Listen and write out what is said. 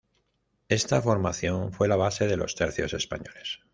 Está formación fue la base de los tercios españoles.